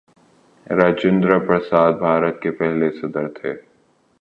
راجندرہ پرساد بھارت کے پہلے صدر تھے.